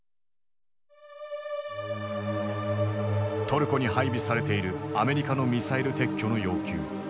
トルコに配備されているアメリカのミサイル撤去の要求。